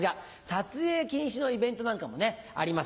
撮影禁止のイベントなんかもあります。